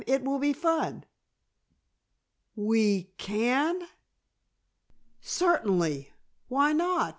It will be fun." "We can?" "Certainly. Why not?